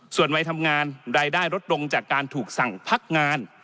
ส่วนวัยทำงานรายได้ลดลงจากการถูกสั่งพักงาน